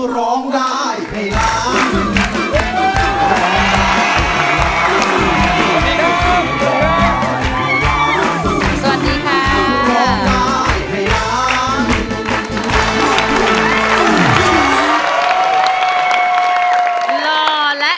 ร้องได้